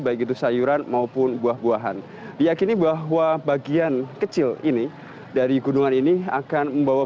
baik itu sayuran maupun buah buahan diakini bahwa bagian kecil ini dari gunungan ini akan membawa